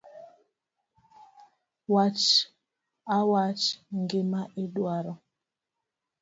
Wach awacha gima idwaro.